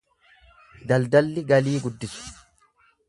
Daldalli galii guddisu.